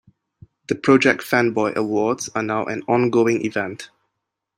The Project Fanboy Awards are now an ongoing event.